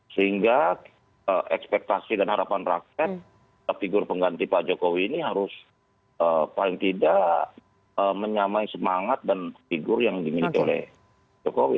sehingga ekspektasi dan harapan rakyat figur pengganti pak jokowi ini harus paling tidak menyamai semangat dan figur yang dimiliki oleh jokowi